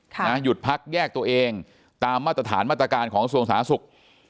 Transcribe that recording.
หยุดพักแยกตัวเองตามมาตรฐานมาตรการของกระทรวงสาธารณสุข